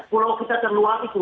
pulau kita terluar itu